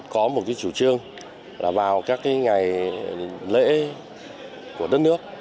có một cái chủ trương là vào các ngày lễ của đất nước